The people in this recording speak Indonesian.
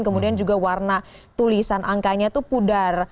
kemudian juga warna tulisan angkanya itu pudar